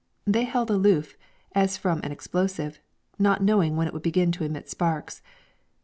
They held aloof, as from an explosive, not knowing when it would begin to emit sparks.